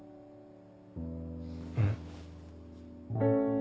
うん。